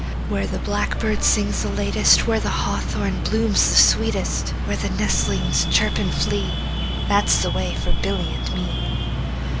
Where the blackbird sings the latest, 5 Where the hawthorn blooms the sweetest, Where the nestlings chirp and flee, That 's the way for Billy and me.